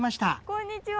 こんにちは。